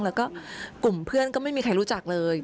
แล้วก็กลุ่มเพื่อนก็ไม่มีใครรู้จักเลย